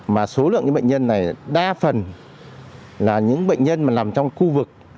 mà số lượng bệnh nhân này đa phần là những bệnh nhân mà nằm trong khu vực